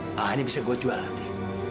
nah ini bisa gue jual lati